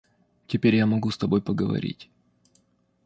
Теперь я могу с тобой поговорить.